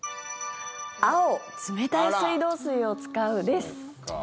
青、冷たい水道水を使うです。